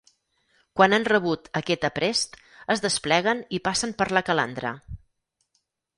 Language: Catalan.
Quan han rebut aquest aprest es despleguen i passen per la calandra.